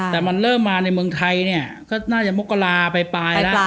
แล้วมันเริ่มมาเมืองไทยก็จะมกลาไปแล้ว